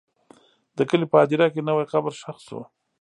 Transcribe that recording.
د کلي په هدیره کې نوی قبر ښخ شو.